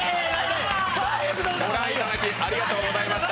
ご覧いただきありがとうございました。